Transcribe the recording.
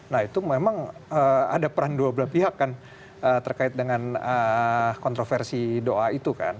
nah itu memang ada peran dua belah pihak kan terkait dengan kontroversi doa itu kan